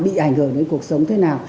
bị ảnh hưởng đến cuộc sống thế nào